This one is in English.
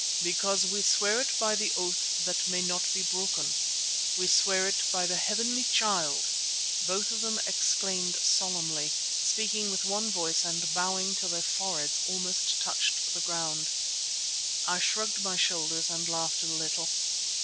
"Because we swear it by the oath that may not be broken; we swear it by the Heavenly Child," both of them exclaimed solemnly, speaking with one voice and bowing till their foreheads almost touched the ground. I shrugged my shoulders and laughed a little.